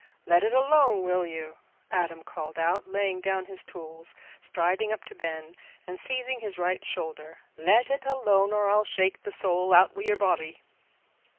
"Let it alone, will you?" Adam called out, laying down his tools, striding up to Ben, and seizing his right shoulder. "Let it alone, or I'll shake the soul out o' your body."